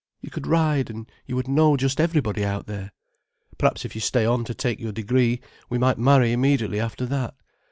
You could ride, and you would know just everybody out there. Perhaps if you stay on to take your degree, we might marry immediately after that.